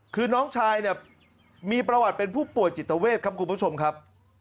คือน้องชายเนี่ยมีประวัติเป็นผู้ป่วยจิตเวทครับคุณผู้ชมครับ